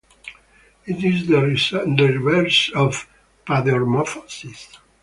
It is the reverse of paedomorphosis.